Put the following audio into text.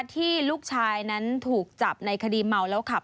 ที่ลูกชายนั้นถูกจับในคดีเมาแล้วขับ